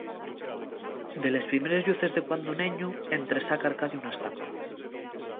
De les primeres lluces de cuando neñu entresaca Arcadio una estampa.